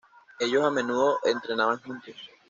Ellos a menudo entrenaban juntos.